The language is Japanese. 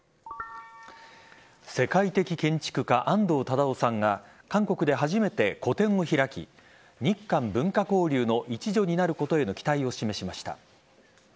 世界的建築家・安藤忠雄さんが韓国で初めて個展を開き日韓文化交流の一助になることへの期待を示しました。